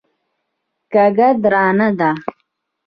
کږه درانه ده.